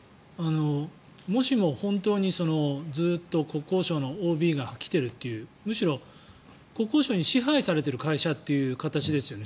もしも、本当にずっと国交省のＯＢが来てるっていうむしろ、国交省に支配されている会社という形ですよね。